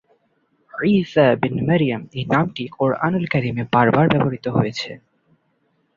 ঈসা bin Maryam এই নামটি কুরআনে বারবার ব্যবহৃত হয়েছে।